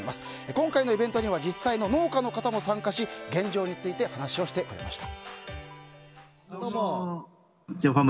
今回のイベントには実際の農家の方も参加し現状について話をしてくれました。